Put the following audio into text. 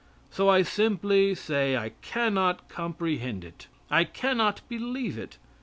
So I simply say I cannot comprehend it. I cannot believe it.